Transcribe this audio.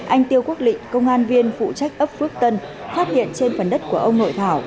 anh tiêu quốc lịnh công an viên phụ trách ấp phước tân phát hiện trên phần đất của ông nội thảo